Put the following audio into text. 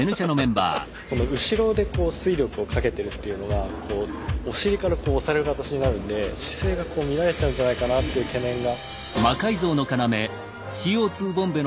後ろで推力をかけてるっていうのがお尻から押される形になるんで姿勢が乱れちゃうんじゃないかなっていう懸念が。